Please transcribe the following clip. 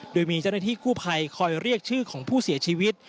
โดยมีเจ้าหน้าที่กู้ภัยคอยเรียกชื่อของผู้เสียชีวิต